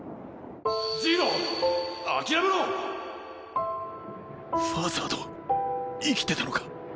ジイロ諦めろファザード生きてたのか？